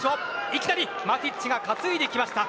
いきなりマティッチが担いできました。